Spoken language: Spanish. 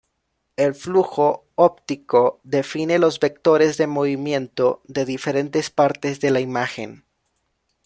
El flujo óptico define los vectores de movimiento de diferentes partes de la imagen.